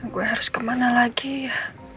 gue harus kemana lagi ya